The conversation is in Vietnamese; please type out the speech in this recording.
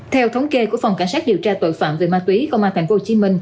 theo thống kê của phòng cảnh sát điều tra tội phạm về ma túy của tp hcm